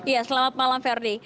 ya selamat malam ferdie